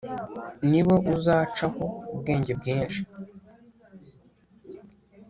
ni bo uzacaho ubwenge bwinshi